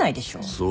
そう。